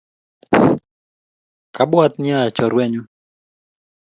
Kabwat nea chorwet nyu.